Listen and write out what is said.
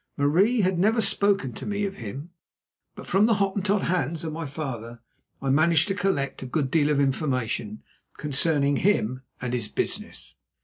Marie had never spoken to me of him, but from the Hottentot Hans and my father I managed to collect a good deal of information concerning him and his business.